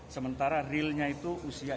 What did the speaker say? sementara realnya itu usia